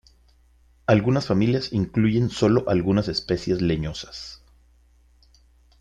Algunas familias incluyen solo algunas especies leñosas.